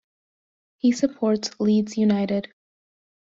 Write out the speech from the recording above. He supports Leeds United.